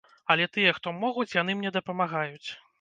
Але тыя, хто могуць, яны мне дапамагаюць.